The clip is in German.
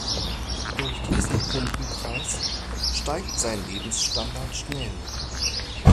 Durch diesen Kundenkreis steigt sein Lebensstandard schnell.